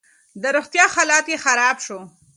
د روغتيا حالت يې خراب شو.